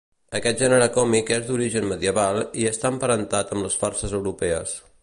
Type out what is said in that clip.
Aquest gènere còmic és d'origen medieval i està emparentat amb les farses europees.